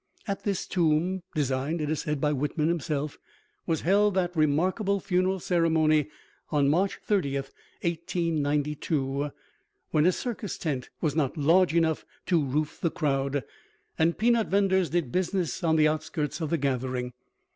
At this tomb, designed (it is said) by Whitman himself, was held that remarkable funeral ceremony on March 30, 1892, when a circus tent was not large enough to roof the crowd, and peanut venders did business on the outskirts of the gathering.